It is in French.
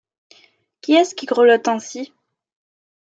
Qui est-ce qui grelotte ainsi ?